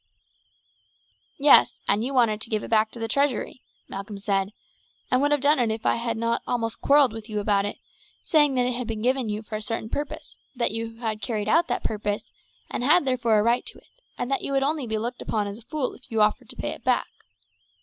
"Yes, and you wanted to give it back to the treasury," Malcolm said, "and would have done it if I had not almost quarrelled with you about it, saying that it had been given you for a certain purpose, that you had carried out that purpose, and had, therefore, a right to it, and that you would be only looked upon as a fool if you offered to pay it back.